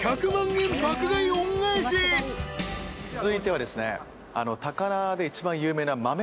続いてはですね。